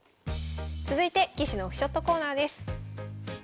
続いて棋士のオフショットコーナーです。